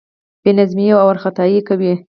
بې نظمي او وارخطايي کوي.